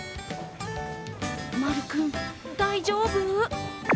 まるくん大丈夫？